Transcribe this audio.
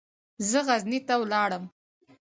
زه غزني ته ولاړم.